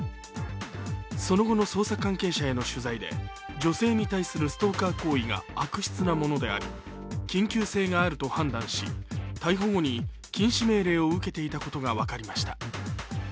その後の捜査関係者への取材で女性に対するストーカー行為が悪質なものであり緊急性があると判断し逮捕後に禁止命令を受けていたことが分かりました。